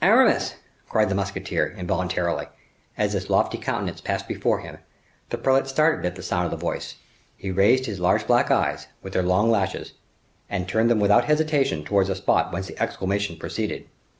"Aramis!" cried the musketeer, involuntarily, as this lofty countenance passed before him. The prelate started at the sound of the voice. He raised his large black eyes, with their long lashes, and turned them without hesitation towards the spot whence the exclamation proceeded.